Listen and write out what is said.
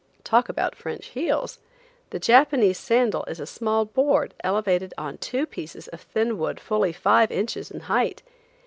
Talk about French heels! The Japanese sandal is a small board elevated on two pieces of thin wood fully five inches in height.